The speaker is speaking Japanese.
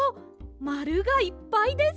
まるがいっぱいです！